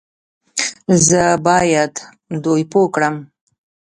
زه بايد دوی پوه کړم